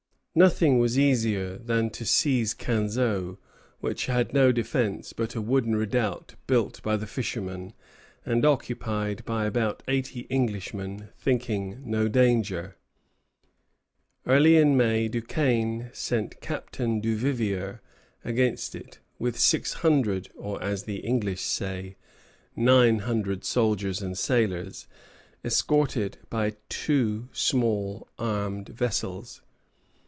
Nothing was easier than to seize Canseau, which had no defence but a wooden redoubt built by the fishermen, and occupied by about eighty Englishmen thinking no danger. Early in May, Duquesnel sent Captain Duvivier against it, with six hundred, or, as the English say, nine hundred soldiers and sailors, escorted by two small armed vessels.